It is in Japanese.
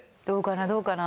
どうかな？